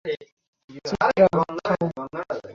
চিত্রা, থামো!